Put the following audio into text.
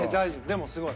でもすごい。